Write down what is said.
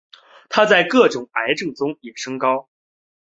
它在各种癌症中也升高。